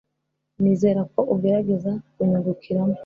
Nizera ko ugerageza kunyungukiramo.